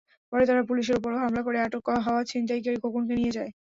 পরে তারা পুলিশের ওপরও হামলা করে আটক হওয়া ছিনতাইকারী খোকনকে নিয়ে যায়।